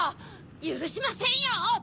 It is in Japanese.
ゆるしませんよ！